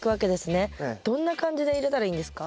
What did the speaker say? どんな感じで入れたらいいんですか？